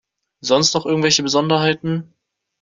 Sonst noch irgendwelche Besonderheiten?